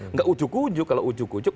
nggak ujuk ujuk kalau ujuk ujuk